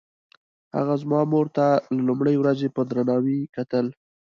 هغه زما مور ته له لومړۍ ورځې په درناوي کتل.